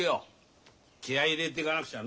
気合い入れてかなくちゃな。